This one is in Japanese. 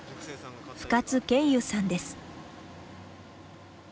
深津絢祐さんです。